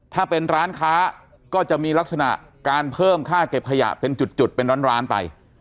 ถ้าเป็นร้านค้าก็จะมีลักษณะการเพิ่มค่าเก็บขยะเป็นจุดเป็นร้านไป